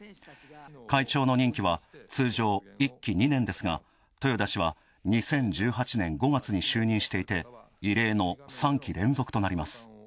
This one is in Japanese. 会長の任期は通常１期２年ですが豊田氏は２０１８年５月に就任していて異例の３期連続となります。